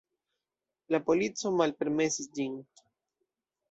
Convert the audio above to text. La polico malpermesis ĝin.